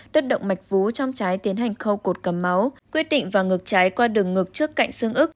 đất động mạch vú trong trái tiến hành khâu cột cầm máu quyết định và ngược trái qua đường ngực trước cạnh xương ức